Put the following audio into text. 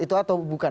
itu atau bukan